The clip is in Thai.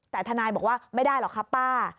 แต่ทนายบอกว่าไม่ได้หรอกครับป้า